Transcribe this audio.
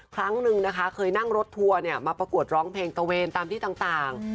ครั้งหนึ่งนะคะเคยนั่งรถทัวร์มาประกวดร้องเพลงตะเวนตามที่ต่าง